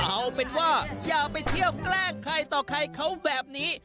เอาเป็นว่าอย่าไปเที่ยวแกล้งใครต่อใครเขาแบบนี้